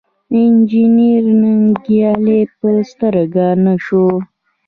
انجنیر ننګیالی په سترګه نه شو.